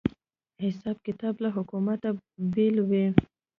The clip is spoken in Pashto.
حساب کتاب له حکومته بېل وي